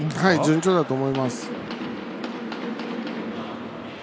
順調だと思います。